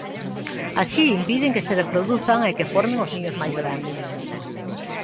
Así, impiden que se reproduzan e que formen os niños máis grandes.